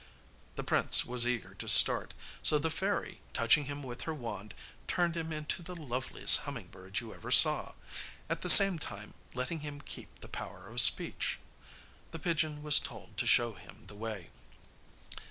The prince was eager to start, so the fairy, touching him with her wand, turned him into the loveliest humming bird you ever saw, at the same time letting him keep the power of speech. The pigeon was told to show him the way.